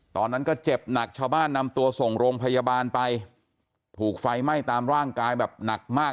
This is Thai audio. ตอนนั้นก็เจ็บหนักชาวบ้านนำตัวส่งโรงพยาบาลไปถูกไฟไหม้ตามร่างกายแบบหนักมาก